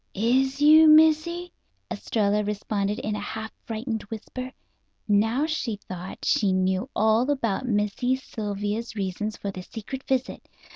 "Is you, Missy?" Estralla responded in a half frightened whisper. Now, she thought, she knew all about Missy Sylvia's reasons for the secret visit.